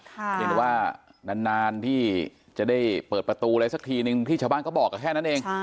เห็นว่านานที่จะได้เปิดประตูอะไรสักทีนึงที่ชาวบ้านเขาบอกแค่นั้นเอง